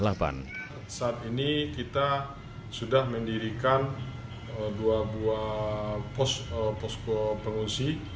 saat ini kita sudah mendirikan dua buah posko pengungsi